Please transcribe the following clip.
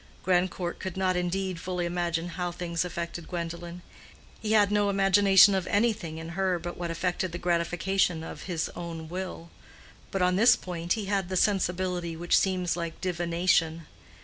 Grandcourt could not indeed fully imagine how things affected Gwendolen: he had no imagination of anything in her but what affected the gratification of his own will; but on this point he had the sensibility which seems like divination.